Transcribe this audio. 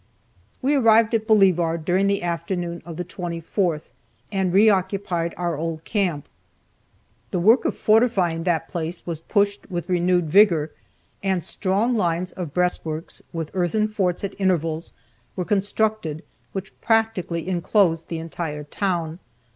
We arrived at Bolivar during the afternoon of the 24th and re occupied our old camp. The work of fortifying that place was pushed with renewed vigor, and strong lines of breastworks, with earthen forts at intervals, were constructed which practically inclosed the entire town.